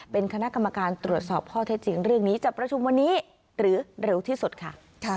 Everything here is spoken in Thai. เป็นคณะกรรมการตรวจสอบข้อเท็จจริงเรื่องนี้จะประชุมวันนี้หรือเร็วที่สุดค่ะ